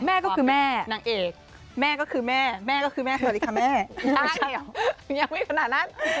แม่ก็คือแม่แม่ก็คือแม่แม่ก็คือแม่สวัสดีค่ะแม่